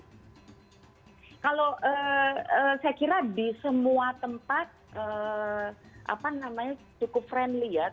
kalau saya kira di semua tempat cukup friendly ya